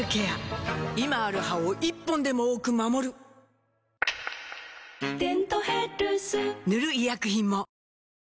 今ある歯を１本でも多く守る「デントヘルス」塗る医薬品も